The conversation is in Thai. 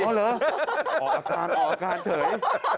อ๋อเหรอออกอาการเฉย